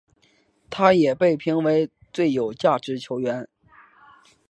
他也被评为最有价值球员。